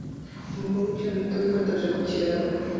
Umukobwa ukiri muto wifotoje ku kiraro